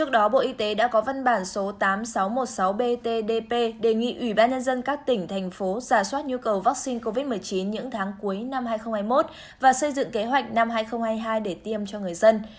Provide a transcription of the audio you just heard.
đề nghị ủy ban nhân dân các tỉnh thành phố giả soát nhu cầu vaccine covid một mươi chín những tháng cuối năm hai nghìn hai mươi một và xây dựng kế hoạch năm hai nghìn hai mươi hai để tiêm cho người dân